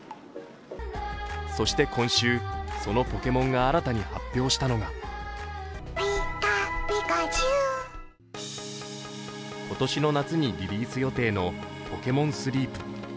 そして今週、その「ポケモン」が新たに発表したのが今年の夏にリリース予定の「ＰｏｋｅｍｏｎＳｌｅｅｐ」。